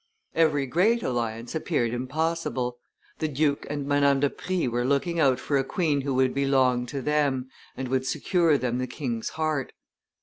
Every great alliance appeared impossible; the duke and Madame de Prie were looking out for a queen who would belong to them, and would secure them the king's heart.